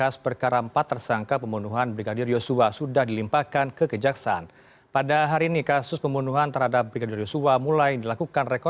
selamat siang pak ito